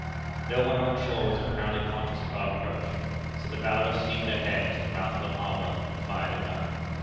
"No one on shore was apparently conscious of our approach, so the Valorous steamed ahead to the mouth of the harbor and fired a gun.